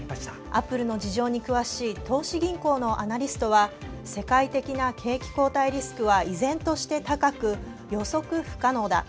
アップルの事情に詳しい投資銀行のアナリストは世界的な景気後退リスクは依然として高く、予測不可能だ。